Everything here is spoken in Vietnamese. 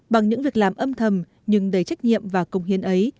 bằng những việc làm âm thầm nhưng đầy trách nhiệm và công hiến ấy